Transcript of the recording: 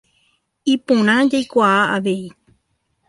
Iporã jaikuaa avei.